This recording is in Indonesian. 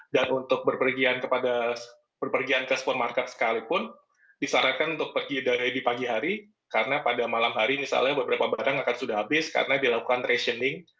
dan untuk berpergian ke supermarket sekalipun disarankan untuk pergi dari pagi hari karena pada malam hari misalnya beberapa barang akan sudah habis karena dilakukan rationing